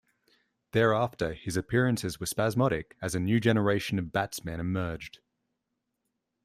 Thereafter his appearances were spasmodic as a new generation of batsmen emerged.